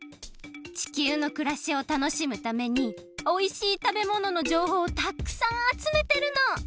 地球のくらしを楽しむためにおいしいたべもののじょうほうをたくさんあつめてるの！